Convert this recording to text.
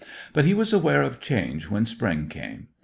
But he was aware of change when spring came.